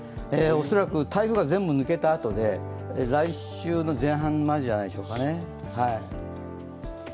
恐らく台風が全部抜けたあとで来週の前半までじゃないですかね。